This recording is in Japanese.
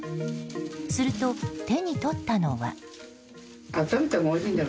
すると手に取ったのは。